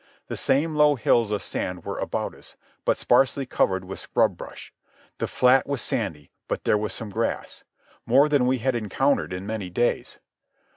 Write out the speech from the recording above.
The same low hills of sand were about us, but sparsely covered with scrub brush. The flat was sandy, but there was some grass—more than we had encountered in many days.